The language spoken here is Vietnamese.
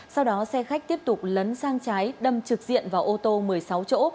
sau đó xe khách tiếp tục lấn sang trái đâm trực diện vào ô tô một mươi sáu chỗ